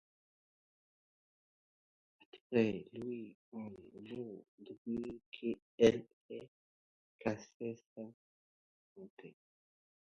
Arthur lui en veut depuis qu'elle a cassé sa montre.